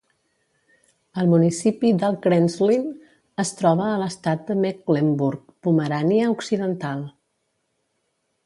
El municipi d'Alt Krenzlin es troba a l'estat de Mecklemburg-Pomerània Occidental.